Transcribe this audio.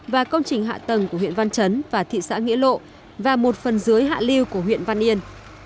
và công trình hạ tầng của huyện văn chấn và thị xã nghĩa lộ và một phần dưới hạ lưu của huyện văn yên